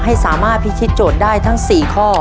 ให้สามารถพิธีโจทย์ได้ทั้ง๔ข้อ